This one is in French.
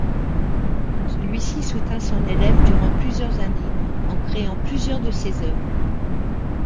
Celui-ci soutint son élève durant plusieurs années en créant plusieurs de ses œuvres.